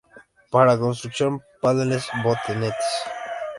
Para construcción, paneles, botes.